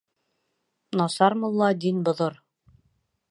Насар мулла дин боҙор.